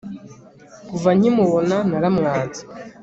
Kuva nkimubona naramwanze